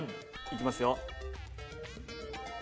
いきますよ。